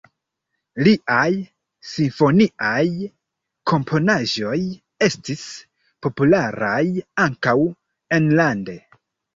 Liaj simfoniaj komponaĵoj estis popularaj ankaŭ enlande.